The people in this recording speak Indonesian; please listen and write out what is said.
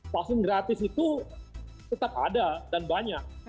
vaksin gratis itu tetap ada dan banyak